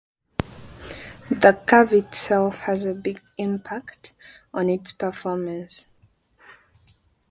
The curve itself has a big impact on its performance.